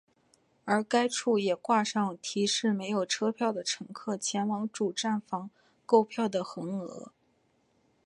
而该处也挂上提示没有车票的乘客前往主站房购票的横额。